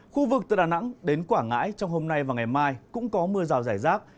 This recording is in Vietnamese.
khu vực từ đà nẵng đến quảng ngãi trong hôm nay và ngày mai cũng có mưa rào rải rác